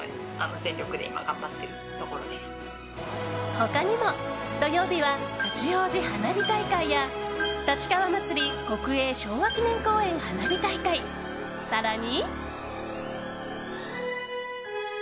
他にも、土曜日は八王子花火大会や立川まつり国営昭和記念公園花火大会更に。